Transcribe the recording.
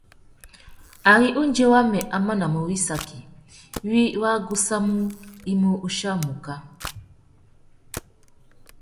Ari undjuê wamê a manamú wissaki, wiï wa gussamú, u mù chia muká.